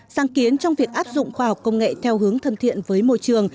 sáng kiến trong việc áp dụng khoa học công nghệ theo hướng thân thiện với môi trường